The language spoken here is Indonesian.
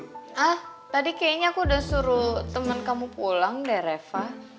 ah tadi kayaknya aku udah suruh temen kamu pulang deh reva